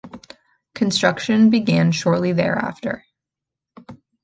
Construction began shortly thereafter.